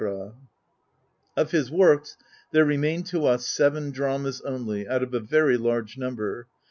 PREFACE ix Of his works there remain to us seven dramas only, out of a very large number.